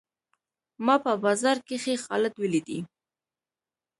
ما په بازار کښي خالد وليدئ.